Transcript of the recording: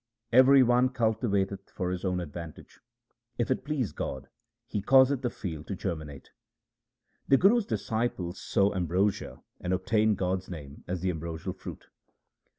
Every one cultivateth for his own advantage ; if it please God, He causeth the field to germinate. The Guru's disciples sow ambrosia, and obtain God's name as the ambrosial fruit.